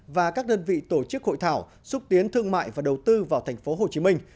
và các đơn vị tổ chức hội thảo xúc tiến thương mại và đầu tư vào thành phố hồ chí minh